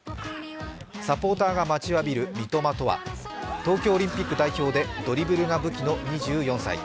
サポーターが待ちわびる三笘とは、東京オリンピック代表でドリブルが武器の２４歳。